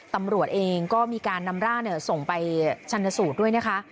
ตำรวจเองก็มีการนำร่างส่งไปชันสูตรด้วยนะคะ